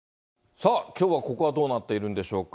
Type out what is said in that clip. さあ、きょうはここはどうなっているんでしょうか。